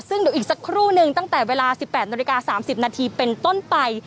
ซึ่งเดี๋ยวอีกสักครู่นึงตั้งแต่เวลา๑๘นาฬิกา๓๐นาทีเป็นต้นไป